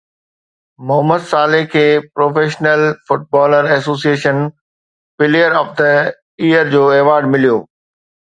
Muhammad Salah کي professional footballers association player of the year جو award مليو